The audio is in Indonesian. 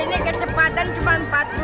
ini kecepatan cuma empat puluh km per jam